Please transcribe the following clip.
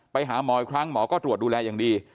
ไปหาหมออีกครั้งหมอก็ตรวจดูแลอย่างดี